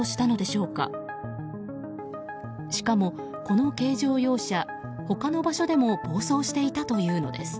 しかも、この軽乗用車他の場所でも暴走していたというのです。